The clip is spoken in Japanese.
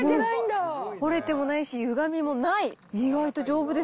折れてもないし、ゆがみもない。